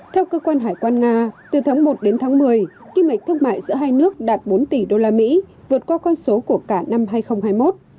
theo cơ quan hải quan nga từ tháng một đến tháng một mươi kim ngạch thương mại giữa hai nước đạt bốn tỷ usd vượt qua con số của cả năm hai nghìn hai mươi một